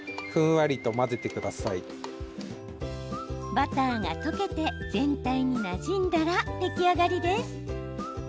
バターが溶けて全体になじんだら出来上がりです。